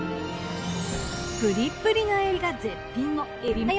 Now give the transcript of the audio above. プリップリのエビが絶品のエビマヨ